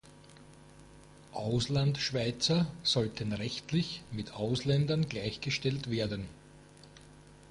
Auslandschweizer sollten rechtlich mit Ausländern gleichgestellt werden.